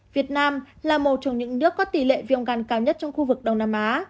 việt nam là một trong những nước có tỷ lệ viêm gan cao nhất trong khu vực đông nam á